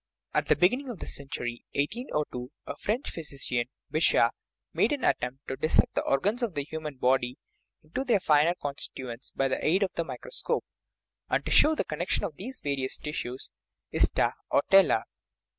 At the beginning of the century (1802) a French physician, Bichat, made an attempt to dissect the organs of the human body into their finer constituents by the aid of the microscope, and to show the connection of these various tissues (hista, or tela).